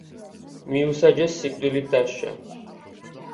მიუსაჯეს სიკვდილით დასჯა.